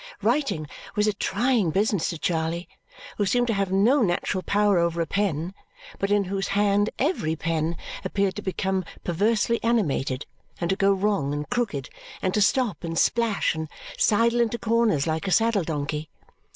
Writing was a trying business to Charley, who seemed to have no natural power over a pen, but in whose hand every pen appeared to become perversely animated, and to go wrong and crooked, and to stop, and splash, and sidle into corners like a saddle donkey.